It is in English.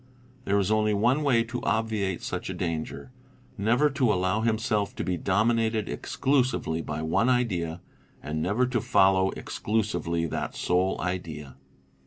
There is only one way to obviate such a danger, never to allow himself to be dominated exclusively by one idea and never to follow exclusively that sole idea.